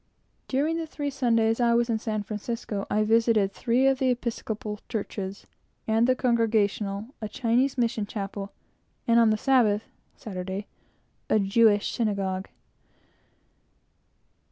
During the three Sundays I was in San Francisco, I visited three of the Episcopal churches, and the Congregational, a Chinese Mission Chapel, and on the Sabbath (Saturday) a Jewish synagogue.